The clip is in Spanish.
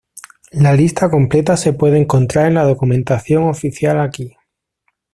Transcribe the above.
La lista completa se puede encontrar en la documentación oficial aquí.